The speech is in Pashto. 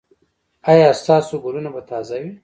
ایا ستاسو ګلونه به تازه وي؟